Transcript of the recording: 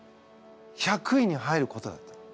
１００位に入ることだったの。